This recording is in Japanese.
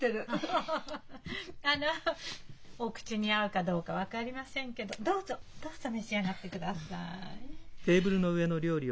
アハハハお口に合うかどうか分かりませんけどどうぞどうぞ召し上がってください。